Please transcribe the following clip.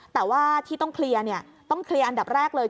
แต่ว่าที่ต้องเคลียร์ต้องเคลียร์อันดับแรกเลย